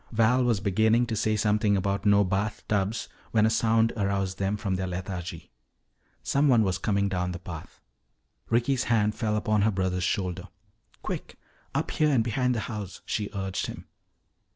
Val was beginning to say something about "no bathtubs" when a sound aroused them from their lethargy. Someone was coming down the path. Ricky's hand fell upon her brother's shoulder. "Quick! Up here and behind the house," she urged him.